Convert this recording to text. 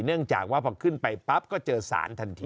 เนื่องจากว่าพอขึ้นไปปั๊บก็เจอสารทันที